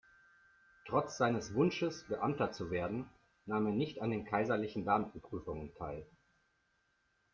Trotz seines Wunsches, Beamter zu werden, nahm er nicht an den kaiserlichen Beamtenprüfungen teil.